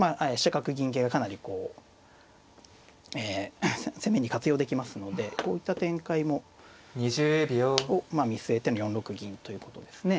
角銀桂がかなりこう攻めに活用できますのでこういった展開を見据えての４六銀ということですね。